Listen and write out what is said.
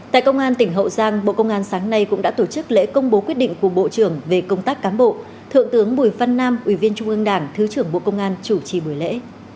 tại công an tỉnh hậu giang bộ công an sáng nay cũng đã tổ chức lễ công bố quyết định của bộ trưởng về công tác cán bộ thượng tướng bùi văn nam ủy viên trung ương đảng thứ trưởng bộ công an chủ trì buổi lễ